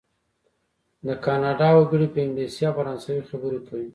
د کانادا وګړي په انګلیسي او فرانسوي خبرې کوي.